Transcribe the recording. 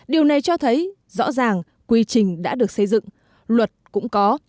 điều này cho thấy rõ ràng quy trình đã được xây dựng luật cũng có